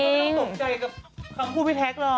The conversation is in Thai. ไม่ต้องตกใจเหมือนกับนั่นพูดที่พี่แท็คเหรอ